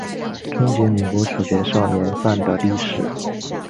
终结美国处决少年犯的历史。